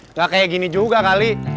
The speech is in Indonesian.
nggak kayak gini juga kali